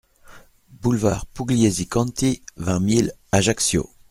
Boulevard Pugliesi Conti, vingt mille Ajaccio